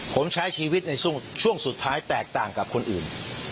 ผมใช้ชีวิตในช่วงสุดท้ายแตกต่างกับคนอื่น